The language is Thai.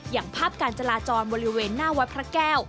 อย่างภาพการจราจรบริเวณหน้าวัดพระแก้ว